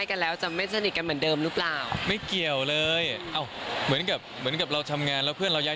อันนี้ทำความสิ้นเห็นของทราย